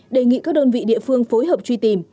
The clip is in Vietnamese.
đề nghị các đơn vị địa phương phối hợp truy tìm